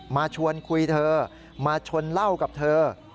มาชวนคุยเธอมาชนเหล้ากับเธอ